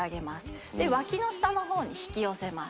脇の下の方に引き寄せます。